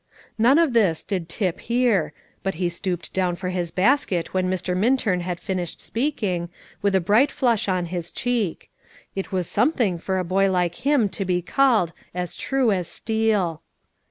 None of this did Tip hear, but he stooped down for his basket when Mr. Minturn had finished speaking, with a bright blush on his cheek. It was something for a boy like him to be called "as true as steel."